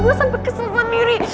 gue sampe kesel banget diri